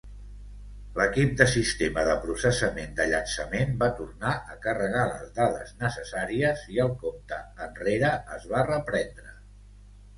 L'equip de Sistema de processament de llançament va tornar a carregar les dades necessàries i el compte enrere es va reprendre.